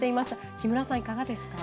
木村さん、いかがですか？